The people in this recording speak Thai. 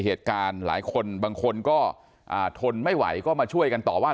เหตุการณ์หลายคนบางคนก็ทนไม่ไหวก็มาช่วยกันต่อว่า